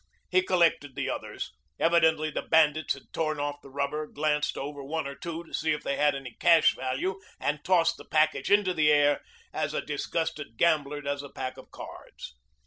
He collected the others. Evidently the bandits had torn off the rubber, glanced over one or two to see if they had any cash value, and tossed the package into the air as a disgusted gambler does a pack of cards.